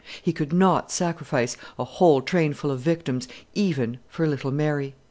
He could not sacrifice a whole train full of victims, even for little Mary.